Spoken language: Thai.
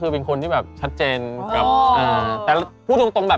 อุ๊ยอภิษนี่จักรแลเขาเหม็นนะ